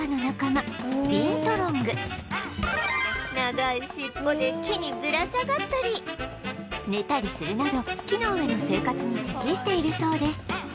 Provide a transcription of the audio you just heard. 長い尻尾で木にぶら下がったり寝たりするなど木の上の生活に適しているそうです